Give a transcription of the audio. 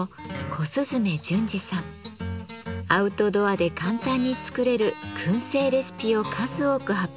アウトドアで簡単に作れる燻製レシピを数多く発表してきました。